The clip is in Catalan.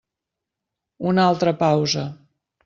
Una altra pausa.